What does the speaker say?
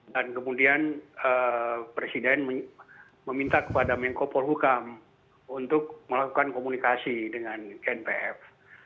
dan kemudian presiden meminta kepada menko polhukam untuk melakukan komunikasi dengan gnpf